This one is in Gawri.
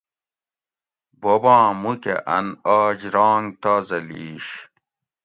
بوباں مُوکہ ان آج رانگ تازہ لِیش